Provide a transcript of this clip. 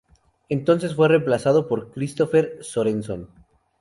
Entonces fue reemplazado por Christopher Sorenson.